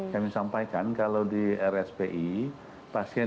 kami sampaikan kalau di rspi pasien